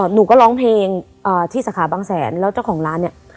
หนูก็ร้องเพลงที่สาขาบางแสนแล้วเจ้าของร้านเนี่ย